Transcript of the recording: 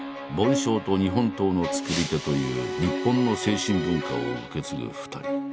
梵鐘と日本刀のつくり手という日本の精神文化を受け継ぐ２人。